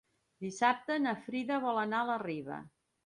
Dissabte na Frida vol anar a la Riba.